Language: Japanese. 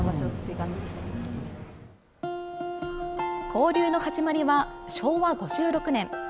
交流の始まりは、昭和５６年。